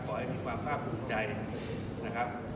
ขอให้มีความภาคภูมิใจนะครับ